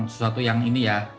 sesuatu yang ini ya